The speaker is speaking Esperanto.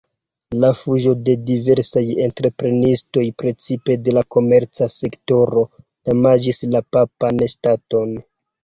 La fuĝo de diversaj entreprenistoj, precipe de la komerca sektoro, damaĝis la papan ŝtaton.